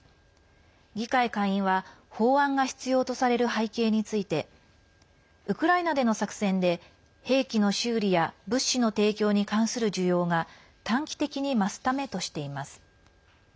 議会下院は法案が必要とされる背景についてウクライナでの作戦で兵器の修理や物資の提供に関する需要が短期的に増すためとしています。